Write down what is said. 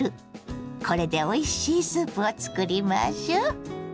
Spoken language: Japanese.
これでおいしいスープを作りましょ。